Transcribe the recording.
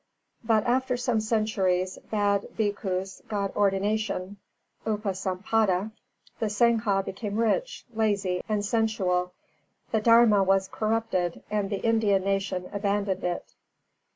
But after some centuries, bad Bhikkhus got ordination (Upasampada) the Sangha became rich, lazy, and sensual, the Dharma was corrupted, and the Indian nation abandoned it.